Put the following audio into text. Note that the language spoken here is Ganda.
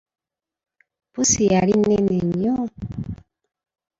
Pussi yali nnene nnyo.